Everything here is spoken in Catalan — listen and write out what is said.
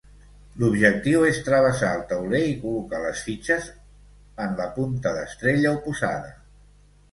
L'objectiu és travessar el tauler i col·locar les fitxes en la punta d'estrella oposada.